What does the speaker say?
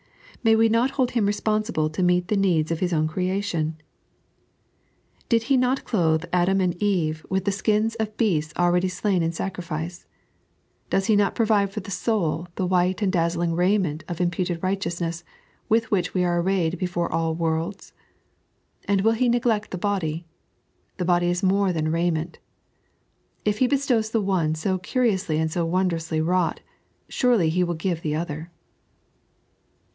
May we not hold Him responsible to meet the needs of His own creation! Did He not clothe Adam and Eve with the 3.n.iized by Google The Floba op Palestink. 159 skins of beasts already slain in sacrifice f Does He not provide for the soul the white and daEzling raiment of im puted righteousnesB, with which we axe arraiyed before all worlds? And will He neglect the body! "The body is more than niiment." If He bestowH the one so curionsly ftod wondrously wrought, surely He will give the other.